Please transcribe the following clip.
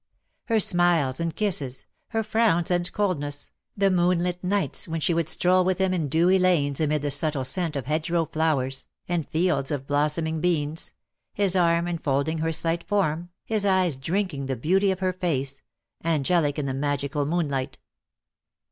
Her smiles and kisses, her frowns and coldness, the moonlit nights when she would stroll with him in dewy lanes amid the subtle scent of hedgerow flowers, and fields of blossoming beans, his arm enfolding her slight form, his eyes drinking the beauty of her face, angelic in the magical moonlight.